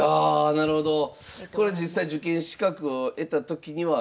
なるほどね。